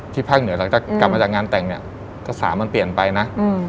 ภาคเหนือหลังจากกลับมาจากงานแต่งเนี่ยกระแสมันเปลี่ยนไปนะ